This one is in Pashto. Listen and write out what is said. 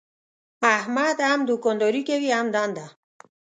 احمد هم دوکانداري کوي هم دنده.